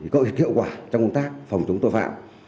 cộng hợp hiệu quả trong công tác phòng chống tội phạm